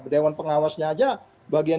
dewan pengawasnya saja bagian